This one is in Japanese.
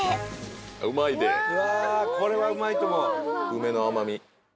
梅の甘味。